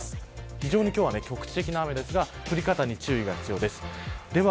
非常に今日は局地的な雨ですが降り方に注意が必要です。